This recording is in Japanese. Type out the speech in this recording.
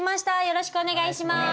よろしくお願いします。